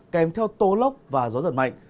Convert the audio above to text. kèm theo tố lốc và gió giật mạnh